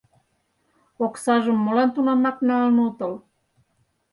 Оксажым молан тунамак налын отыл?